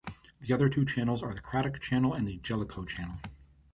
The other two channels are the Cradock Channel and the Jellicoe Channel.